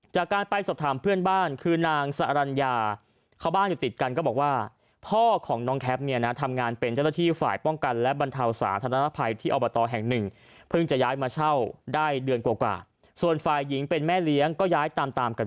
จากการไปสอบถามเพื่อนบ้าคือนางสารัญญา